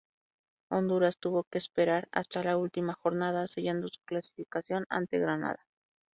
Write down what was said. Honduras tuvo que esperar hasta la última jornada sellando su clasificación ante Granada.